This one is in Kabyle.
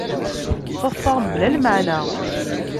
Ttaḍṣaɣ mebla lmeεna.